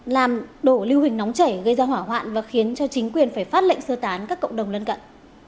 làm đổ lưu hình nóng chảy gây ra hỏa hoạn và khiến cho chính quyền phải phát lệnh sơ tán các cộng đồng lân cận